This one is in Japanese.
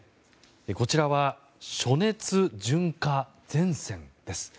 こちらは暑熱順化前線です。